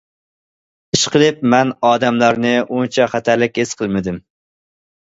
ئىشقىلىپ مەن ئادەملەرنى ئۇنچە خەتەرلىك ھېس قىلمىدىم.